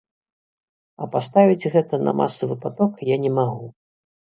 А паставіць гэта на масавы паток я не магу.